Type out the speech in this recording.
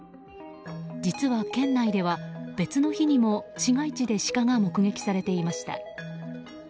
実は県内では別の日にも市街地でシカが目撃されていました。